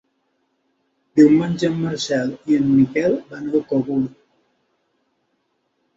Diumenge en Marcel i en Miquel van al Cogul.